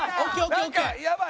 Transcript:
やばい！